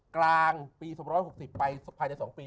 กลางปี๒๖๐ไปภายใน๒ปี